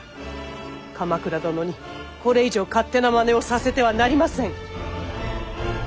鎌倉殿にこれ以上勝手なまねをさせてはなりません。